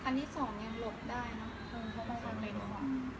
คันที่สองเนี่ยหลบได้เนาะคุณเพราะว่ามันเป็น